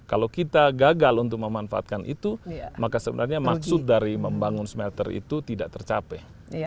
kalau kita gagal untuk memanfaatkan itu maka sebenarnya maksud dari membangun smelter itu tidak tercapai